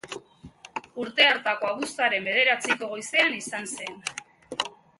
Urte hartako abuztuaren bederatziko goizean izan zen.